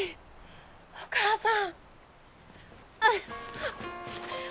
お母さん。